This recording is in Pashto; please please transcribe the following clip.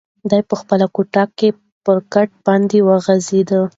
دی په خپله کوټه کې پر کټ باندې وغځېد.